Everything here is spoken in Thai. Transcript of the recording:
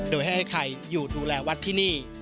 โดยให้ใครอยู่ดูแลวัดที่นี่